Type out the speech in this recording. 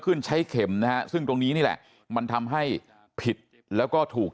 ใช้เข็มนะฮะซึ่งตรงนี้นี่แหละมันทำให้ผิดแล้วก็ถูก